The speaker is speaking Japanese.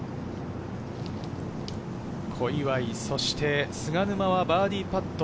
小祝、そして菅沼はバーディーパット。